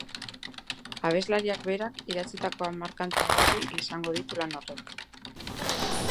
Abeslariak, berak, idatzitako hamar kanta berri izango ditu lan horrek.